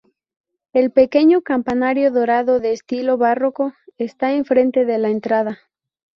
El pequeño campanario dorado de estilo barroco, está en frente de la entrada.